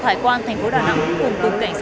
tại cảng tiên sa